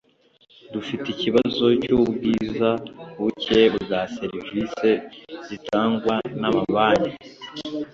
dufite ikibazo cy’ubwiza buke bwa serivisi zitangwa n’amabanki